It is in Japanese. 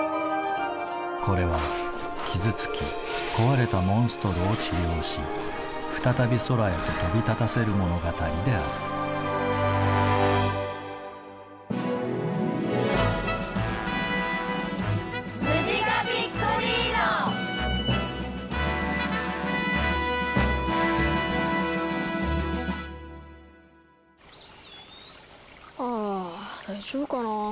これは傷つき壊れたモンストロを治療し再び空へと飛び立たせる物語であるああ大丈夫かなぁ。